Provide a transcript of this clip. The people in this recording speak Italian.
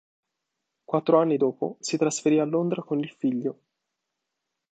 Quattro anni dopo, si trasferì a Londra con il figlio.